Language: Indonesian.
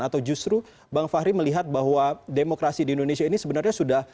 atau justru bang fahri melihat bahwa demokrasi di indonesia ini sebenarnya sudah